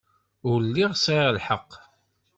Ur lliɣ sɛiɣ lḥeqq.